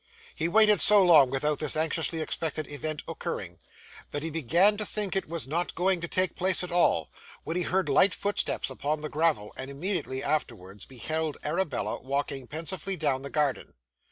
He waited so long without this anxiously expected event occurring, that he began to think it was not going to take place at all, when he heard light footsteps upon the gravel, and immediately afterwards beheld Arabella walking pensively down the garden.